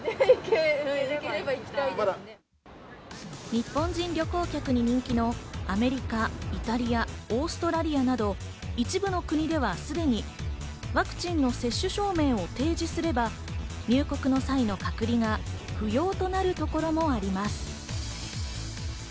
日本人旅行客に人気のアメリカ、イタリア、オーストラリアなど一部の国ではすでにワクチンの接種証明を提示すれば、入国の際の隔離が不要となるところもあります。